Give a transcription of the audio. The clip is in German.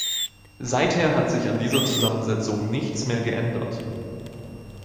Seither hat sich an dieser Zusammensetzung nichts mehr geändert.